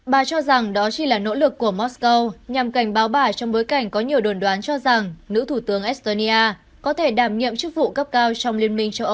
bà cho rằng đó chỉ là nỗ lực của moscow nhằm cảnh báo bà trong bối cảnh có nhiều đồn đoán cho rằng nữ thủ tướng estonia có thể đảm nhiệm chức vụ cấp cao trong liên minh châu âu